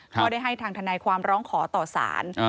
ก็ได้ให้ทางทนายความร้องขอต่อสาร